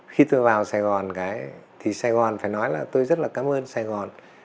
khi tôi vào sài gòn cái thì sài gòn phải nói là tôi rất là cảm ơn sài gòn